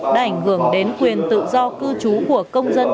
đã ảnh hưởng đến quyền tự do cư trú của công dân